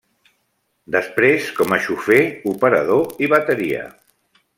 Després, com a xofer, operador i bateria.